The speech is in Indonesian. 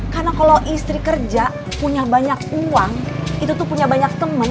karena kalau istri kerja punya banyak uang itu tuh punya banyak temen